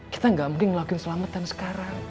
kita gak mungkin ngelakuin selamatan sekarang